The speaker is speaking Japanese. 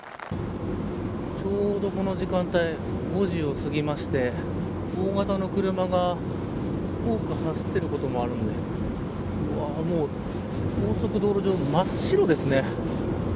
ちょうどこの時間帯５時をすぎまして大型の車が多く走っていることもあり高速道路上が真っ白ですね。